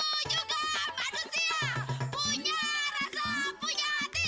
jangan sama dengan pisau melatih